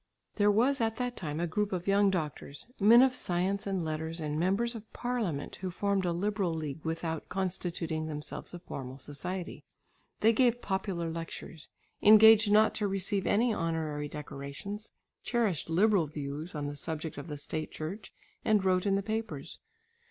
There was at that time a group of young doctors, men of science and letters, and members of parliament who formed a liberal league without constituting themselves a formal society. They gave popular lectures, engaged not to receive any honorary decorations, cherished liberal views on the subject of the State Church and wrote in the papers.